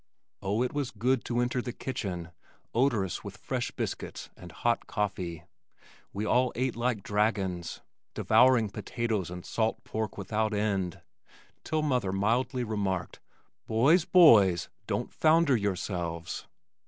Oh, it was good to enter the kitchen, odorous with fresh biscuit and hot coffee! We all ate like dragons, devouring potatoes and salt pork without end, till mother mildly remarked, "Boys, boys! Don't 'founder' yourselves!"